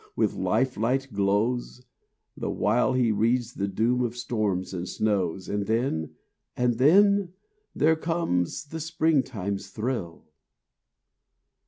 —with life light glows, The while he reads the doom of storms and snows; And then—and then—there comes the springtime's thrill!